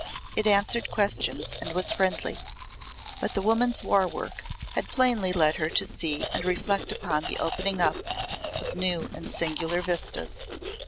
It answered questions and was friendly. But the woman's war work had plainly led her to see and reflect upon the opening up of new and singular vistas.